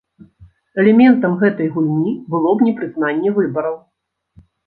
Элементам гэтай гульні было б непрызнанне выбараў.